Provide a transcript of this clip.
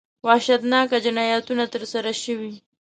وحشتناک جنایتونه ترسره شوي.